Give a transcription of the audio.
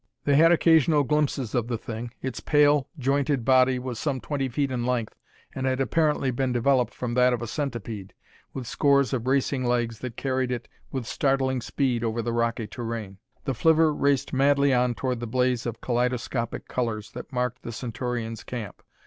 They had occasional glimpses of the thing. Its pale jointed body was some twenty feet in length, and had apparently been developed from that of a centipede, with scores of racing legs that carried it with startling speed over the rocky terrain. The flivver raced madly on toward the blaze of kaleidoscopic colors that marked the Centaurians' camp.